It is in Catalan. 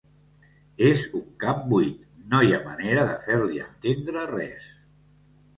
És un cap buit. No hi ha manera de fer-li entendre res.